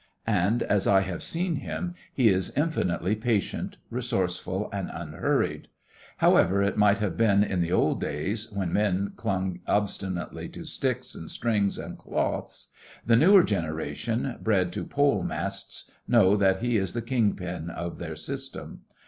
And, as I have seen him, he is infinitely patient, resourceful, and unhurried. However it might have been in the old days, when men clung obstinately to sticks and strings and cloths, the newer generation, bred to pole masts, know that he is the king pin of their system.